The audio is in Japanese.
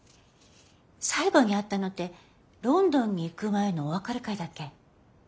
最後に会ったのってロンドンに行く前のお別れ会だっけ？